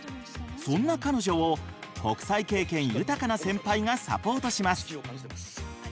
そんな彼女を国際経験豊かな先輩がサポートします。